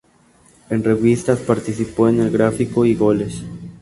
En revistas participó de El Gráfico y Goles.